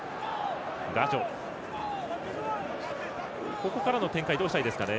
ここからの展開はどうしたいですか。